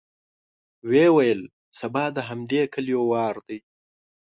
ويې ويل: سبا د همدې کليو وار دی.